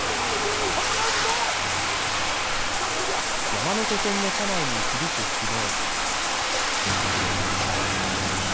山手線の車内に響く悲鳴。